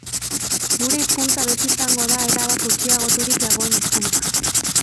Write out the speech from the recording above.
Gure hizkuntza beti izango da erabat gutxiagoturik dagoen hizkuntza.